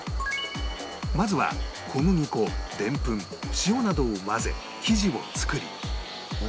まずは小麦粉デンプン塩などを混ぜ生地を作り